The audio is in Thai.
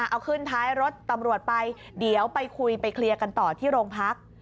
เอาขึ้นท้ายรถตำรวจไปเดี๋ยวไปคุยไปเคลียร์กันต่อที่โรงพัก